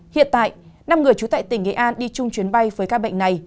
hiện tại năm người trú tại tỉnh nghệ an đi chung chuyến bay với ca bệnh này